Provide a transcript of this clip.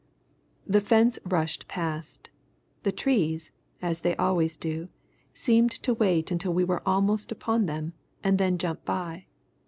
The fence rushed past. The trees, as they always do, seemed to wait until we were almost upon them, and then jump by.